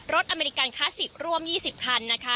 อเมริกันคลาสสิกร่วม๒๐คันนะคะ